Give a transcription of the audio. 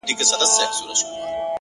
پرمختګ له داخلي بدلون شروع کېږي’